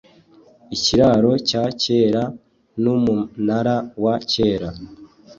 Ikiraro cya kera numunara wa kera